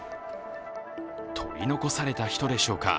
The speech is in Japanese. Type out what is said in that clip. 取り残された人でしょうか。